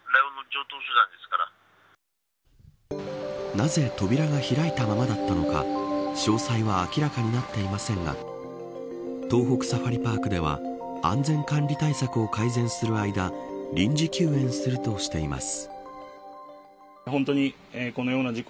なぜ扉が開いたままだったのか詳細は明らかになっていませんが東北サファリパークでは安全管理対策を改善する間臨時休園するとしています。